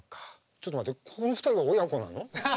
ちょっと待ってこの２人が親子なの？